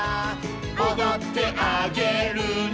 「おどってあげるね」